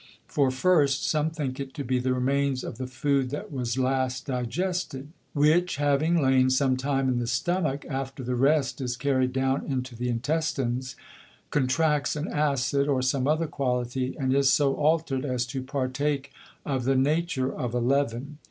For first, some think it to be the Remains of the Food that was last digested; which having lain some time in the Stomach, after the rest is carried down into the Intestines, contracts an Acid, or some other Quality, and is so alter'd, as to partake of the Nature of a Leaven.